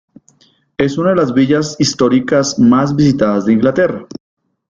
Es una de las villas históricas más visitadas de Inglaterra.